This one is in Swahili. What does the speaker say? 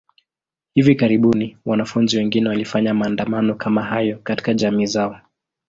Hivi karibuni, wanafunzi wengine walifanya maandamano kama hayo katika jamii zao.